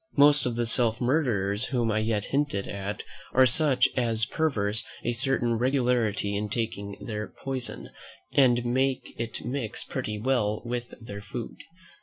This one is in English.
Most of the self murderers whom I yet hinted at are such as preserve a certain regularity in taking their poison, and make it mix pretty well with their food.